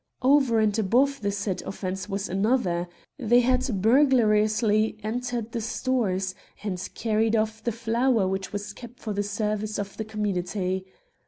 Over and above the said offence was another, they had burglariously entered the stores, and carried 68 r Queer Culprits off the flour which was kept for the service of the community.